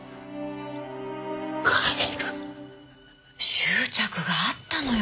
執着があったのよ